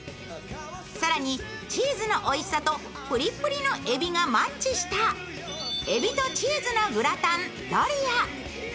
更に、チーズのおいしさとプリップリのえびがマッチしたえびとチーズのグラタン＆ドリア。